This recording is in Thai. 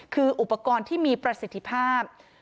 คืออุปกรณ์ที่มีประสิทธิภาพ